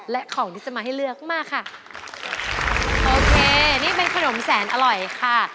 และของที่จะมาให้เลือกมาค่ะโอเคนี่เป็นขนมแสนอร่อยค่ะ